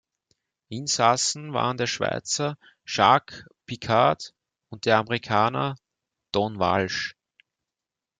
Insassen waren der Schweizer Jacques Piccard und der Amerikaner Don Walsh.